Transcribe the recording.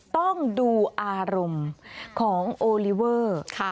ต้องดูอารมณ์ของโอลิเวอร์